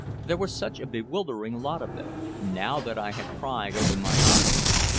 There were such a bewildering lot of them, now that I had pried open my eyes.